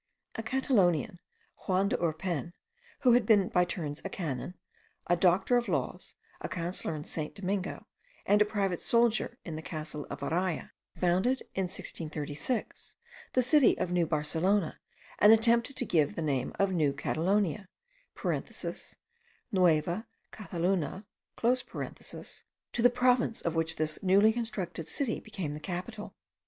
A Catalonian, Juan de Urpin, who had been by turns a canon, a doctor of laws, a counsellor in St. Domingo, and a private soldier in the castle of Araya, founded in 1636, the city of New Barcelona, and attempted to give the name of New Catalonia (Nueva Cathaluna) to the province of which this newly constructed city became the capital.